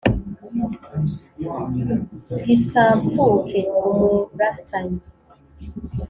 gisampfuke, umurasanyi